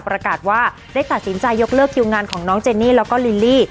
ประกาศว่าได้ตัดสินใจยกเลิกคิวงานของน้องเจนี่แล้วก็ลิลลี่